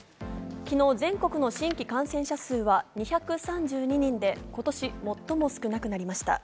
昨日全国の新規感染者数は２３２人で今年最も少なくなりました。